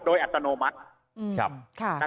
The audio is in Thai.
โดยอัตโนมัติ